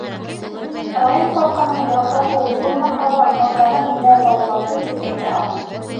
Район халҡының, яртыһы уҡ булмаһа ла, байтағы миндә дауаланды тип әйтә алам.